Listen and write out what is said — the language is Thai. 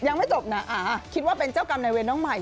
ยังไม่จบนะคิดว่าเป็นเจ้ากรรมในเวรน้องใหม่